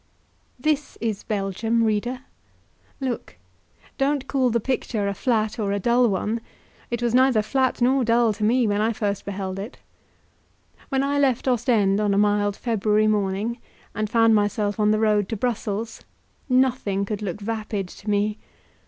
This is Belgium, reader. Look! don't call the picture a flat or a dull one it was neither flat nor dull to me when I first beheld it. When I left Ostend on a mild February morning, and found myself on the road to Brussels, nothing could look vapid to me.